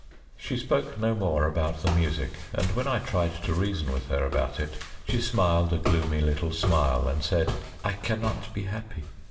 She spoke no more about the music, and when I tried to reason with her about it she smiled a gloomy little smile, and said "I cannot be happy.